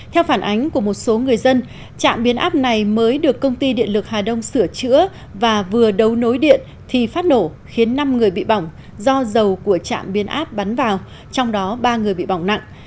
theo phản ánh của một số người dân trạm biến áp này mới được công ty điện lực hà đông sửa chữa và vừa đấu nối điện thì phát nổ khiến năm người bị bỏng do dầu của trạm biến áp bắn vào trong đó ba người bị bỏng nặng